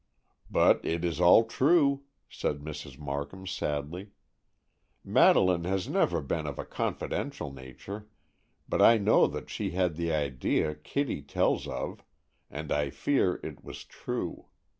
"But it is all true," said Mrs. Markham sadly. "Madeleine has never been of a confidential nature, but I know that she had the idea Kitty tells of, and I fear it was true.